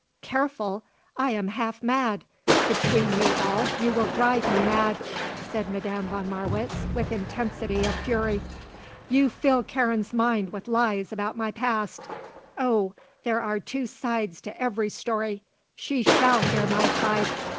"Careful! I am half mad! Between you all you will drive me mad!" said Madame von Marwitz with intensity of fury. "You fill Karen's mind with lies about my past oh, there are two sides to every story! she shall hear my side!